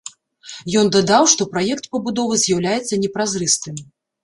Ён дадаў, што праект пабудовы з'яўляецца непразрыстым.